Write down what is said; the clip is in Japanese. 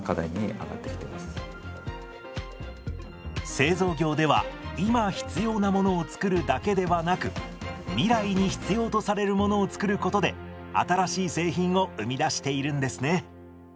製造業では今必要なものを作るだけではなく未来に必要とされるものを作ることで新しい製品を生み出しているんですね。